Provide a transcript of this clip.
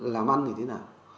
làm ăn thì thế nào